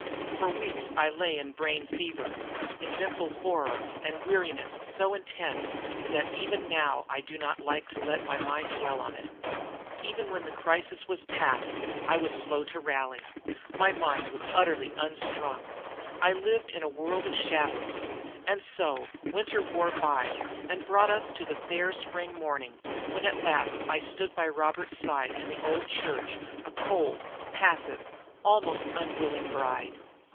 For weeks I lay in brain fever, in mental horror and weariness so intent, that even now I do not like to let my mind dwell on it. Even when the crisis was safely past I was slow to rally; my mind was utterly unstrung. I lived in a world of shadows. And so winter wore by, and brought us to the fair spring morning when at last I stood by Robert's side in the old church, a cold, passive, almost unwilling bride.